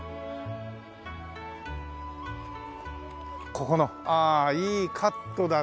ここのああいいカットだね。